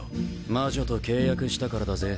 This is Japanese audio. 魔女と契約したからだぜ。